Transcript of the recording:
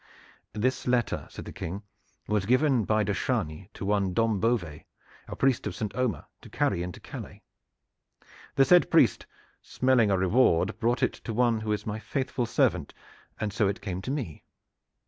"This letter," said the King, "was given by de Chargny to one Dom Beauvais, a priest of St. Omer, to carry into Calais. The said priest, smelling a reward, brought it to one who is my faithful servant, and so it came to me.